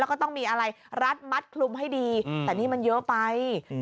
แล้วก็ต้องมีอะไรรัดมัดคลุมให้ดีแต่นี่มันเยอะไป